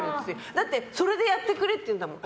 だって、それでやってくれって言うんだもん。